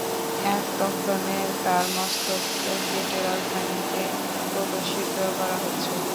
এতক্ষনে তার মস্তক কেটে রাজধানীতে প্রদর্শিত করা হচ্ছে!